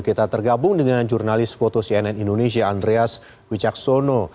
kita tergabung dengan jurnalis foto cnn indonesia andreas wicaksono